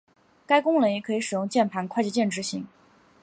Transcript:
该功能也可以使用键盘快捷键执行。